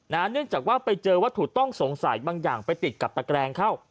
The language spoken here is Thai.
เนื่องจากว่าไปเจอวัตถุต้องสงสัยบางอย่างไปติดกับตะแกรงเข้า